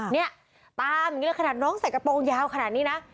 เนี่ยตามอย่างนี้เลยขนาดน้องใส่กระโปรงยาวขนาดนี้นะ